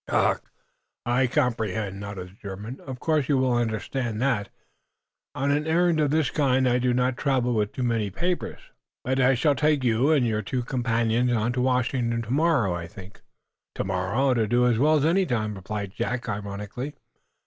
"Ach! I comprehend," nodded the German. "Of course you will understand that, on an errand of this kind, I do not travel with too many papers. But I shall take you and your two companions on to Washington to morrow, I think " "To morrow ought to do as well as any time," replied Jack, ironically.